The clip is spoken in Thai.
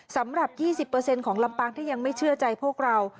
สำหรับยี่สิบเปอร์เซ็นต์ของลำป่างที่ยังไม่เชื่อใจพวกเรา